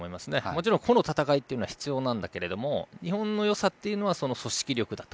もちろん個の戦いは必要なんだけど日本のよさというのは組織力だ。